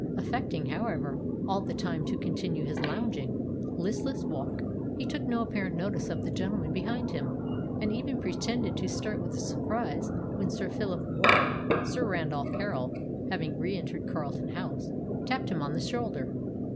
Affecting, however, all the time to continue his lounging, listless walk, he took no apparent notice of the gentlemen behind him, and even pretended to start with surprise when Sir Phillip Warren—Sir Randolph Harral having re entered Carlton House—tapped him on the shoulder.